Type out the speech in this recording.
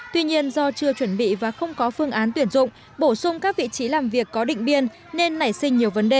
tuy nhiên do chưa chuẩn bị và không có phương án tuyển dụng bổ sung các vị trí làm việc có định biên nên nảy sinh nhiều vấn đề